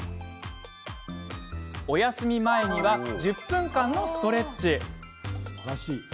お休み前には１０分間のストレッチ。